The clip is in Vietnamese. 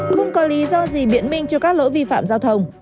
không có lý do gì biện minh cho các lỗi vi phạm giao thông